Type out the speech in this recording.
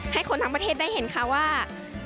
ให้คนทั้งประเทศได้เห็นค่ะว่า